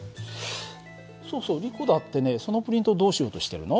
そうそうリコだってねそのプリントどうしようとしてるの？